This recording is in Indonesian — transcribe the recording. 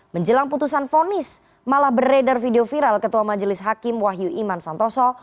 menjelang putusan fonis malah beredar video viral ketua majelis hakim wahyu iman santoso